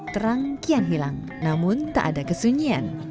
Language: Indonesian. terang kian hilang namun tak ada kesunyian